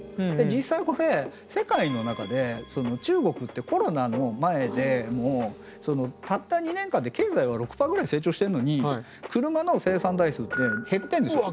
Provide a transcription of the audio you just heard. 実際これ世界の中で中国ってコロナの前でもたった２年間で経済は６％ぐらい成長してるのに車の生産台数って減ってるんですよ。